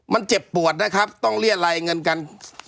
มันเจ็บปวดนะครับต้องเรียรายเงินกัน